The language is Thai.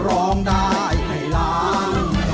ร้องได้ให้ล้าน